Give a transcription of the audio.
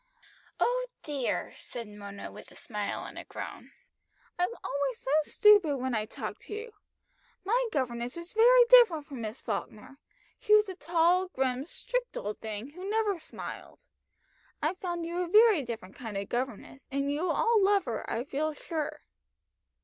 "Oh dear!" said Mona with a smile and a groan. "I'm always so stupid when I talk to you. My governess was very different from Miss Falkner she was a tall, grim, strict old thing, who never smiled. I've found you a very different kind of governess, and you will all love her, I feel sure."